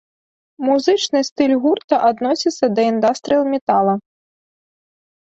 Музычны стыль гурта адносіцца да індастрыял-метала.